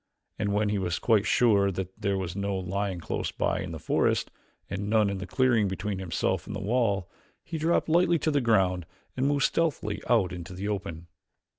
And when he was quite sure that there was no lion close by in the forest, and none in the clearing between himself and the wall, he dropped lightly to the ground and moved stealthily out into the open.